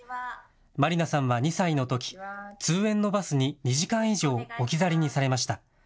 まりなさんは２歳のとき、通園のバスに２時間以上、置き去りにされました。